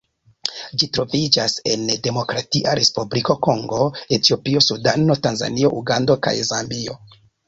Ĝi troviĝas en Demokratia Respubliko Kongo, Etiopio, Sudano, Tanzanio, Ugando kaj Zambio.